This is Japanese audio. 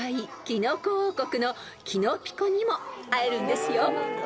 キノコ王国のキノピコにも会えるんですよ］